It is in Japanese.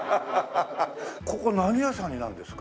ここ何屋さんになるんですか？